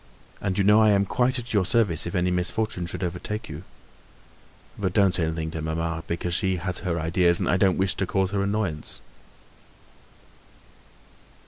"And you know, I am quite at your service if any misfortune should overtake you. But don't say anything to mamma, because she has her ideas, and I don't wish to cause her annoyance."